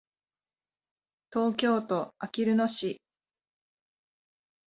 東京都あきる野市